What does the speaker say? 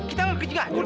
kita mau ke ciganjur